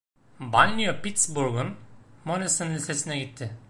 Banliyö Pittsburgh'un Monessen Lisesi'ne gitti.